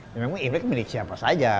memang imlek milik siapa saja